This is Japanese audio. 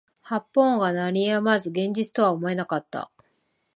発砲音が鳴り止まず現実とは思えなかった